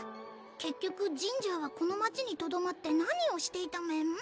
結局ジンジャーはこの街にとどまって何をしていたメン？